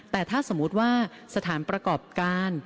แต่ถ้าสมมุติว่าสถานประกอบการ